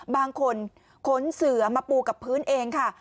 บางคนขนเสือมาปูกับพื้นเองค่ะ